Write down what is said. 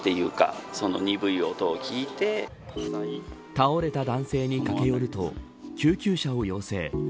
倒れた男性に駆け寄ると救急車を要請。